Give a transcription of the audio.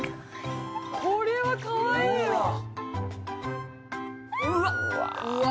これはかわいいわうわっうわ